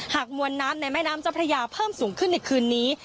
มวลน้ำในแม่น้ำเจ้าพระยาเพิ่มสูงขึ้นในคืนนี้